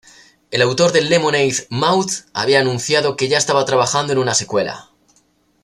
El autor de "Lemonade Mouth" había anunciado que ya estaba trabajando en una secuela.